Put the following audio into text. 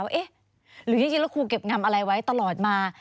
เอ๊ะหรือจริงแล้วครูเก็บงำอะไรไว้ตลอดมา